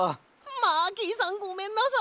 マーキーさんごめんなさい！